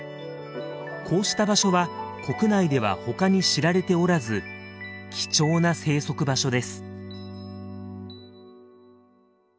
こうした場所は国内では他に知られておらず貴重な生息場所です。